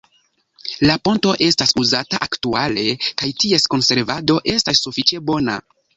La ponto estas uzata aktuale kaj ties konservado estas sufiĉe bona.